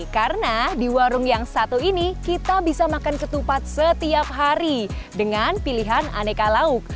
karena di warung yang satu ini kita bisa makan ketupat setiap hari dengan pilihan aneka lauk